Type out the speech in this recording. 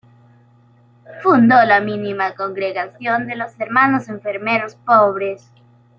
Fundó la Mínima Congregación de los Hermanos Enfermeros Pobres.